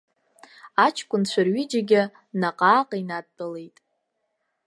Аҷкәынцәа рҩыџьагьы наҟ-ааҟ инадтәалеит.